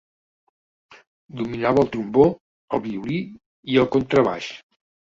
Dominava el trombó, el violí i el contrabaix.